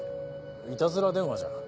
いたずら電話じゃ？